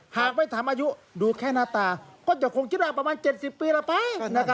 หากไม่ถามอายุดูแค่หน้าตาก็จะคงคิดว่าประมาณ๗๐ปีแล้วไป